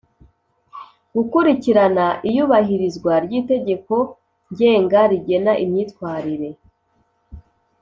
gukurikirana iyubahirizwa ry’itegeko ngenga rigena imyitwarire